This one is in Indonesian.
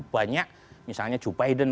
banyak misalnya joe biden